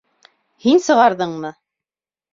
Һин сығарҙыңмы?